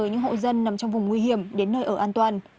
những hộ dân nằm trong vùng nguy hiểm đến nơi ở an toàn